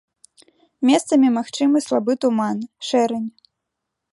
Месцамі магчымы слабы туман, шэрань.